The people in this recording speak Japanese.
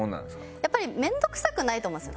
やっぱり面倒くさくないと思うんですよ。